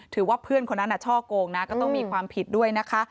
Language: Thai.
ถือว่าเพื่อนคนนั้นช่อโกงนะก็ต้องมีความผิดด้วยนะคะ